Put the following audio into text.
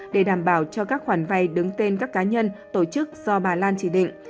để đảm bảo cho các khoản vay đứng tên các cá nhân tổ chức do bà lan chỉ định